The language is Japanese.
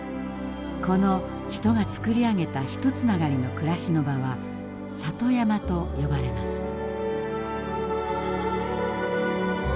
この人がつくり上げたひとつながりの暮らしの場は「里山」と呼ばれます。